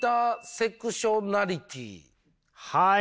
はい。